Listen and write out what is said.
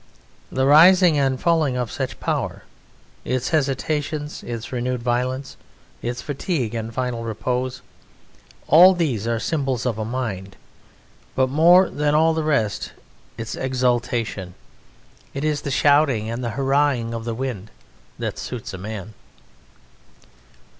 The rising and falling of such power, its hesitations, its renewed violence, its fatigue and final repose all these are symbols of a mind; but more than all the rest, its exultation! It is the shouting and the hurrahing of the wind that suits a man.